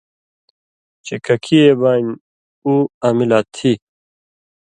چےۡ ککی اْے بانیۡ اُو امِلا تھی۔